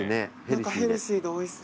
ヘルシーでおいしそう。